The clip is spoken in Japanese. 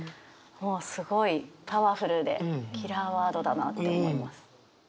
すごいパワフルでキラーワードだなって思います。